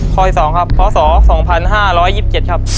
อีก๒ครับพศ๒๕๒๗ครับ